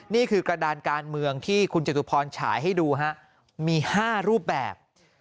นี่คือกระดานการเมืองที่คุณจตุพรฉายให้ดูฮะมี๕รูปแบบ